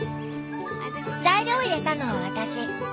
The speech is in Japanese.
材料を入れたのは私。